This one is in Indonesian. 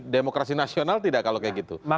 demokrasi nasional tidak kalau kayak gitu